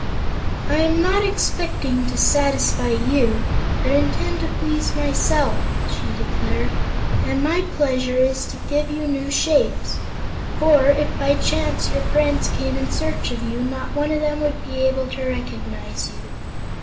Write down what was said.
"I am not expecting to satisfy you, but intend to please myself," she declared, "and my pleasure is to give you new shapes. For, if by chance your friends came in search of you, not one of them would be able to recognize you."